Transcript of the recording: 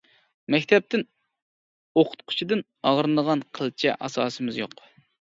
مەكتەپتىن ئوقۇتقۇچىدىن ئاغرىنىدىغان قىلچە ئاساسىمىز يوق.